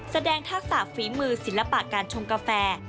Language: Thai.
ทักษะฝีมือศิลปะการชงกาแฟ